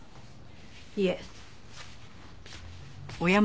いえ。